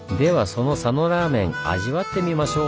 その佐野らーめん味わってみましょう！